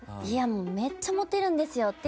「いやもうめっちゃモテるんですよ！」